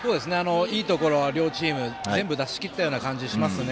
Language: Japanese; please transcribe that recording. いいところ、両チーム全部出しきった感じがしますね。